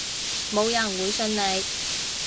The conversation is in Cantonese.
冇人會信你